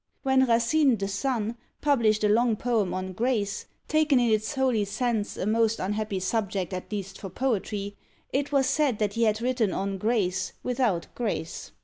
When Racine, the son, published a long poem on "Grace," taken in its holy sense, a most unhappy subject at least for poetry; it was said that he had written on Grace without grace.